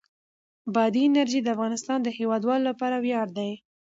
بادي انرژي د افغانستان د هیوادوالو لپاره ویاړ دی.